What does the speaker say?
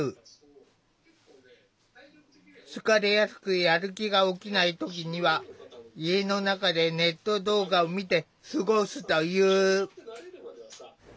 疲れやすくやる気が起きない時には家の中でネット動画を見て過ごすという。